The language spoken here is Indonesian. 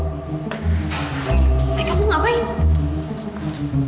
mereka mau ngapain